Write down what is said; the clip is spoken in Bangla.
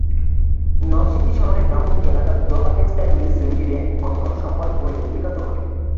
নরসিংদী শহরের ব্রাহ্মন্দী এলাকার জবা টেক্সটাইল মিলস লিমিটেডে গতকাল সোমবার ভোরে অগ্নিকাণ্ড ঘটে।